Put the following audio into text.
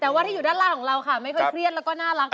แต่ว่าถ้าอยู่ด้านล่างของเราค่ะไม่ค่อยเครียดแล้วก็น่ารัก